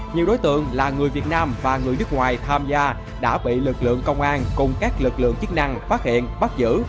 nhiều đối tượng là người việt nam và người nước ngoài tham gia đã bị lực lượng công an cùng các lực lượng chức năng phát hiện bắt giữ